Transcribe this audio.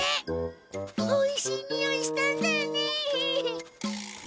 おいしいにおいしたんだよね。